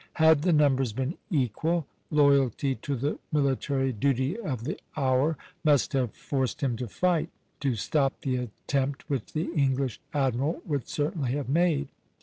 Had the numbers been equal, loyalty to the military duty of the hour must have forced him to fight, to stop the attempt which the English admiral would certainly have made.